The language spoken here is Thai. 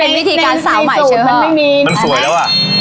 เป็นวิธีการสาวใหม่ใช่ไหมครับ